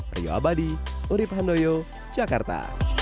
rio abadi urib handoyo jakarta